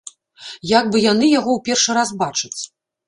Як бы яны яго ў першы раз бачаць!